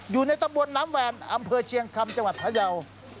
อยู่ในตำบลน้ำแวนอำเภอเชียงคำจังหวัดพยาว